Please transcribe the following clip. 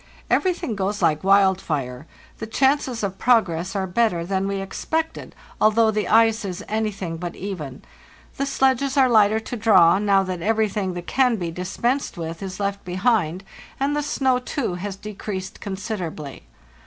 Everything goes like wildfire. The chances of progress are better than we expected, although the ice is anything but even; the sledges are lighter to draw, now that everything that can be dispensed with is left behind, and the snow, too, has decreased considerably.